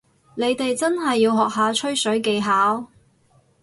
你哋真係要學下吹水技巧